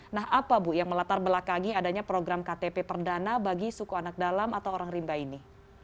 nah apa bu yang melatar belakangi adanya program ktp perdana bagi suku anak dalam atau orang rimba ini